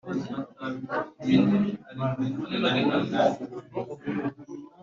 inama y abaturage n iby iterambere